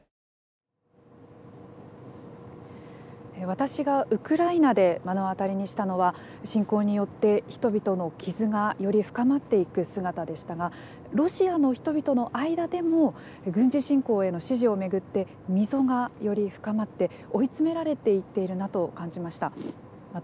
私がウクライナで目の当たりにしたのは侵攻によって人々の傷がより深まっていく姿でしたがロシアの人々の間でも軍事侵攻への支持を巡って溝がより深まって追い詰められていってるなと感じました。